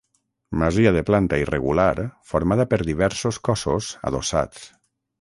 Masia de planta irregular formada per diversos cossos adossats.